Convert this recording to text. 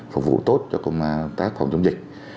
phục vụ tốt cho công tác phòng chống dịch